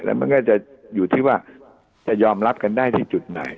มันก็จะอยู่ที่ว่าจะยอมรับกันได้ที่จุดไหน